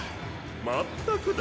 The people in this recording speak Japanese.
まったくだ。